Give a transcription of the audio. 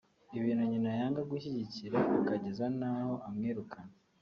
ibintu nyina yanga gushyigikira akageza n’aho amwirukana